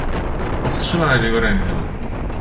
"Powstrzymałem jego rękę."